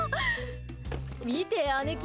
見て、姉貴！